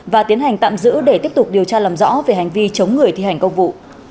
và tiến hành tạm giữ để tiếp tục điều tra làm rõ về hành vi chống người thi hành công vụ